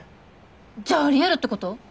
じゃあありえるってこと？